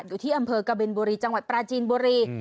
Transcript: อยู่ที่อำเภอกบินบุรีจังหวัดปราจีนบุรี